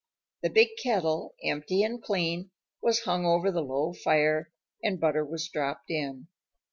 The big kettle, empty and clean, was hung over the low fire and butter was dropped in.